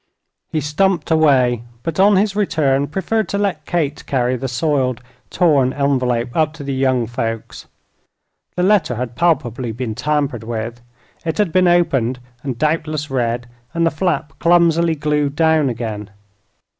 He stumped away, but on his return preferred to let Kate carry the soiled, torn envelope up to the young folks. The letter had palpably been tampered with. It had been opened and doubtless read, and the flap clumsily glued down again.